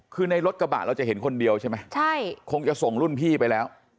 คือในรถกระบะเราจะเห็นคนเดียวใช่ไหมใช่คงจะส่งรุ่นพี่ไปแล้ว